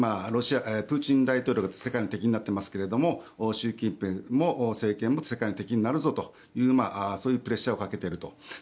プーチン大統領が世界の敵になっていますが習近平政権も世界の敵になるぞというそういうプレッシャーをかけていると。